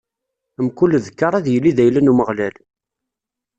Mkul dkeṛ ad yili d ayla n Umeɣlal.